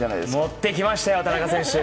持ってきましたよ、田中選手！